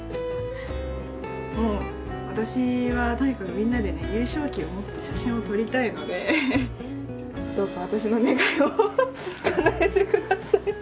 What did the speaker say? もう私はとにかくみんなでね優勝旗を持って写真を撮りたいのでどうか私の願いをかなえて下さい。